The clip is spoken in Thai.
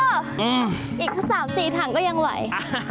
อีกสามสี่ถังก็ยังไหว